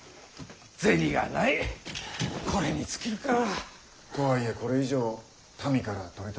銭がないこれに尽きるか。とはいえこれ以上民から取り立てるわけにも。